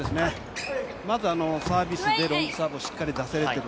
まずサービスでロングサーブをしっかり出せてる。